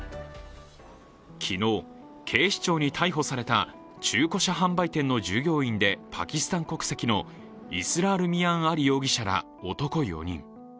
昨日警視庁に逮捕された中古車販売店の従業員でパキスタン国籍のイスラール・ミアン・アリ容疑者ら男４人。